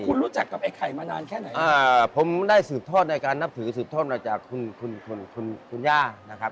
คุณรู้จักกับไอ้ไข่มานานแค่ไหนอ่าผมได้สืบโทษในการนับถือสืบโทษมาจากคุณคุณคุณคุณคุณย่านะครับ